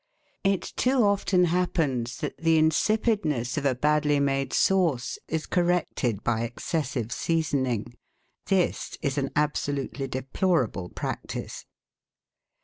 It too often happens that the insipidness of a badly made sauce is corrected by excessive seasoning; this is an absolutely deplor able practice.